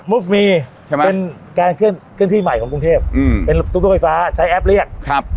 ใช่ไหมเป็นการเคลื่อนเคลื่อนที่ใหม่ของกรุงเทพฯอืมเป็นตุ๊กตุ๊กไฟฟ้าใช้แอปเรียกครับ